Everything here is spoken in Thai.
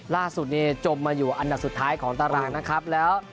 ล่าสุดนี้จมมาอยู่อันดับสุดท้ายของตารางนะครับแล้ว